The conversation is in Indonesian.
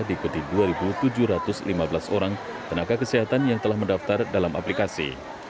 diikuti dua tujuh ratus lima belas orang tenaga kesehatan yang telah mendaftar dalam aplikasi